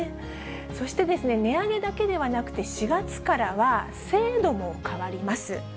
そして、値上げだけではなくて、４月からは、制度も変わります。